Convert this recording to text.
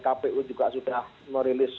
kpu juga sudah merilis